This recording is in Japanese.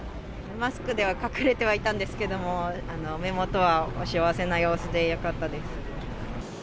マスクでは隠れてはいたんですけれども、目元はお幸せな様子で、よかったです。